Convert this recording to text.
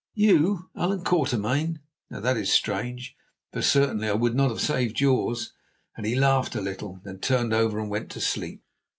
"You, Allan Quatermain! Now, that is strange, for certainly I would not have saved yours," and he laughed a little, then turned over and went to sleep.